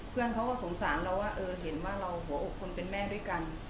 เพื่อนเขาก็สงสารเราว่าเออเห็นว่าเราหัวอกคนเป็นแม่ด้วยกัน